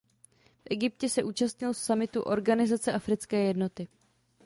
V Egyptě se účastnil summitu Organizace africké jednoty.